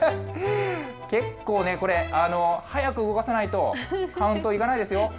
結構ね、これ、速く動かさないとカウントいかないですよ。